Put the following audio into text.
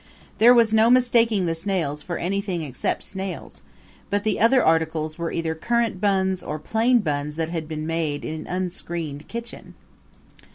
There was no mistaking the snails for anything except snails; but the other articles were either currant buns or plain buns that had been made in an unscreened kitchen.